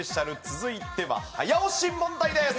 続いては早押し問題です。